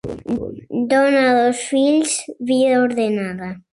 Dona, dos fills, vida ordenada...